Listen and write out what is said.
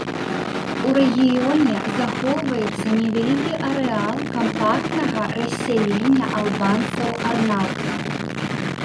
У рэгіёне захоўваецца невялікі арэал кампактнага рассялення албанцаў-арнаўтаў.